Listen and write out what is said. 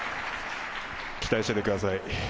期待していてください。